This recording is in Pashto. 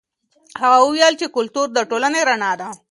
هغه وویل چې کلتور د ټولنې رڼا ده.